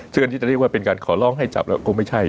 ซึ่งอันที่จะเรียกว่าเป็นการขอร้องให้จับแล้วก็ไม่ใช่